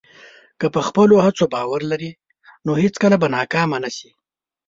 که په خپله هڅه باور لرې، نو هېڅکله به ناکام نه شې.